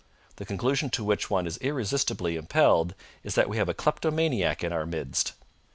The conclusion to which one is irresistibly impelled is that we have a kleptomaniac in our midst.